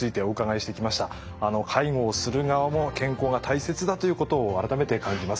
介護をする側も健康が大切だということを改めて感じます。